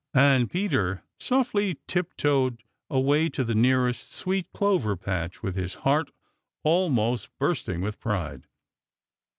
And Peter softly tiptoed away to the nearest sweet clover patch with his heart almost bursting with pride.